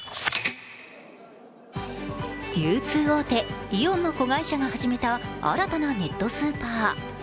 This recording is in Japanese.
流通大手イオンの子会社が始めた新たなネットスーパー。